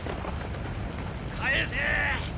返せ！